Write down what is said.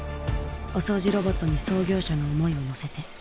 お掃除ロボットに創業者の思いを乗せて。